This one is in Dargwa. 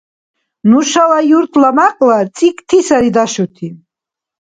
Нушала юртла мякьлар цӀикӀти сари дашути.